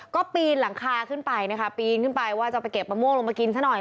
ก็ปีนหลังคาขึ้นไปนะคะปีนขึ้นไปว่าจะไปเก็บมะม่วงลงมากินซะหน่อย